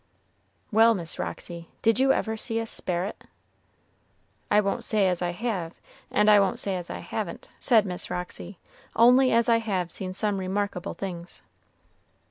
"Well, Miss Roxy, did you ever see a sperit?" "I won't say as I have, and I won't say as I haven't," said Miss Roxy; "only as I have seen some remarkable things."